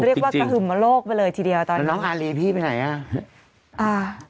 เรียกว่ากระหึ่มโลกไปเลยทีเดียวตอนนี้น้องอารีพี่ไปไหนอ่ะอ่า